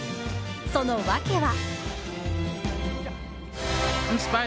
その訳は。